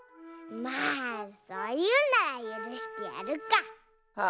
まあそういうならゆるしてやるか。